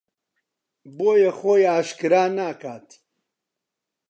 بۆیە خۆی ئاشکرا ناکات